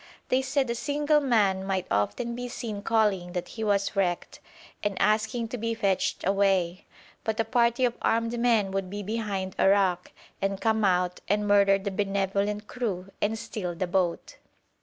They said a single man might often be seen calling that he was wrecked, and asking to be fetched away, but a party of armed men would be behind a rock, and come out and murder the benevolent crew and steal the boat.